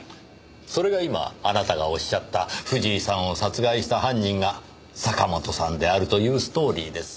それが今あなたがおっしゃった藤井さんを殺害した犯人が坂本さんであるというストーリーです。